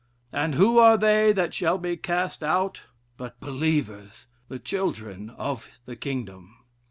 And who are they that shall be cast out, but believers, 'the children of the kingdom?'